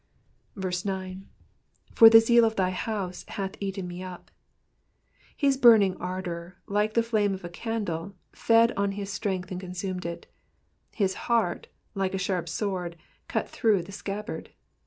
9. ''For the zeal of thine house hath eaten me up,'''' His burning ardour, like the flame of a candle, fed on his strength and consumed it. His heart, like a sharp sword, cut through the scabbard.